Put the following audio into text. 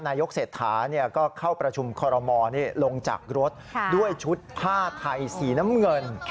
นายกเศรษฐาก็เข้าประชุมคอรมอลลงจากรถด้วยชุดผ้าไทยสีน้ำเงิน